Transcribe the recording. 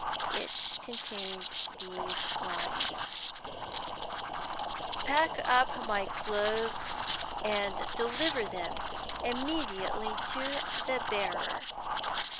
It only contained these lines: "Pack up my clothes and deliver them immediately to the bearer.